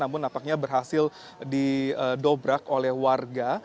namun nampaknya berhasil didobrak oleh warga